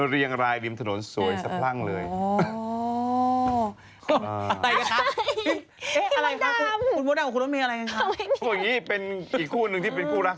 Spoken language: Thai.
มีน้ำมีหน่วนขึ้นนะครับ